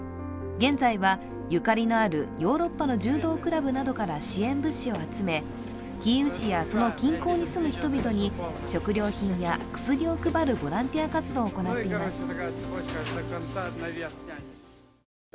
現在はゆかりのあるヨーロッパの柔道クラブなどから支援物資を集め、キーウ市やその近郊に住む人々に食料品や薬を配るボランティア活動を行っています。